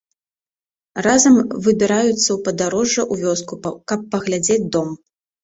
Разам выбіраюцца ў падарожжа ў вёску каб паглядзець дом.